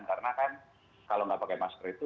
karena kan kalau nggak pakai masker itu